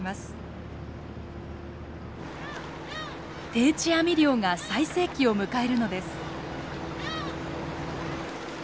定置網漁が最盛期を迎えるのです。